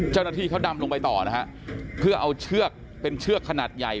เจ้าหน้าที่เขาดำลงไปต่อนะฮะเพื่อเอาเชือกเป็นเชือกขนาดใหญ่